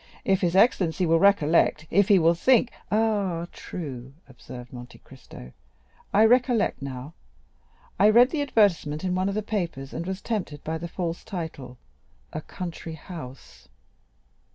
If his excellency will recollect—if he will think——" "Ah, true," observed Monte Cristo; "I recollect now. I read the advertisement in one of the papers, and was tempted by the false title, 'a country house.